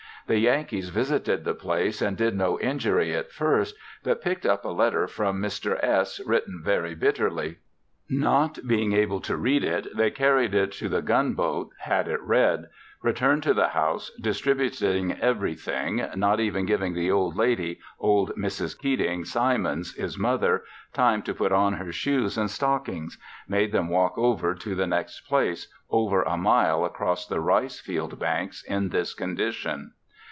The Yankees visited the place and did no injury at first, but picked up a letter from Mr. S. written very bitterly. Not being able to read it, they carried it to the gun boat, had it read; returned to the house distributing everything, not even giving the old lady, old Mrs. Keating Simons (his mother), time to put on her shoes and stockings; made them walk over to the next place, over a mile across the rice field banks, in this condition.